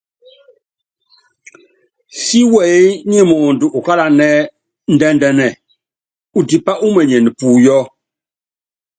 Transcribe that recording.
Si wɛyí nyi muundɔ ukálanɛ́ ndɛ́ndɛ́nɛ, utipá umenyene puyɔ́.